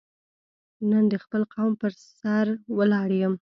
نن د خپل قوم په سر ولاړ یم.